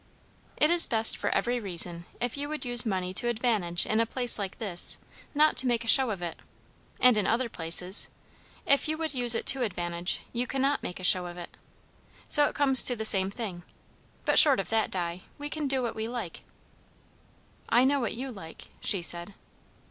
"It is best for every reason, if you would use money to advantage in a place like this, not to make a show of it. And in other places, if you would use it to advantage, you cannot make a show of it. So it comes to the same thing. But short of that, Di, we can do what we like." "I know what you like," she said.